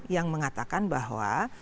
yang mengatakan bahwa